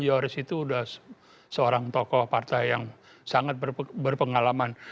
yoris itu sudah seorang tokoh partai yang sangat berpengalaman